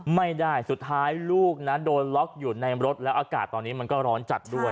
ไม่ได้สุดท้ายลูกนะโดนล็อกอยู่ในรถแล้วอากาศตอนนี้มันก็ร้อนจัดด้วย